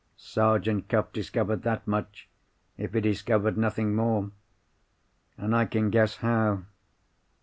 Sergeant Cuff discovered that much, if he discovered nothing more. And I can guess how.